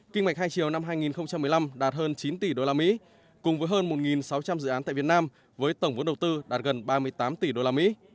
kinh mạch hai chiều năm hai nghìn một mươi năm đạt hơn chín tỷ usd cùng với hơn một sáu trăm linh dự án tại việt nam với tổng vốn đầu tư đạt gần ba mươi tám tỷ usd